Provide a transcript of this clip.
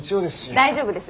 大丈夫です。